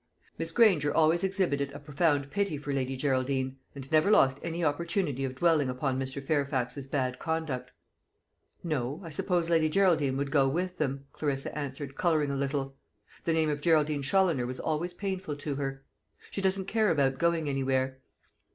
Miss Granger always exhibited a profound pity for Lady Geraldine, and never lost any opportunity of dwelling upon Mr. Fairfax's bad conduct. "No; I don't suppose Lady Geraldine would go with them," Clarissa answered, colouring a little. The name of Geraldine Challoner was always painful to her. "She doesn't care about going anywhere."